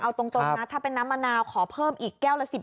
เอาตรงนะถ้าเป็นน้ำมะนาวขอเพิ่มอีกแก้วละ๑๐